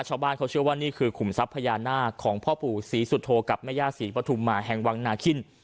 ชาวบ้านเขาเชื่อว่านี่คือขุมทรัพย์พญานาคของพ่อปู่ศรีสุโธกับแม่ย่าศรีปฐุมมาแห่งวังนาคิน